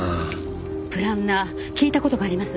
プランナー聞いた事があります。